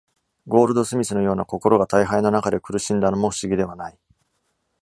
ゴールドスミスのような心が退廃の中で苦しんだのも不思議ではない！